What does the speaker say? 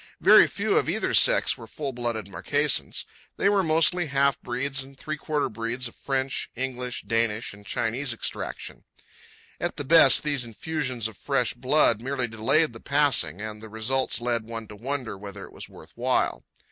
Very few of either sex were full blooded Marquesans. They were mostly half breeds and three quarter breeds of French, English, Danish, and Chinese extraction. At the best, these infusions of fresh blood merely delayed the passing, and the results led one to wonder whether it was worth while.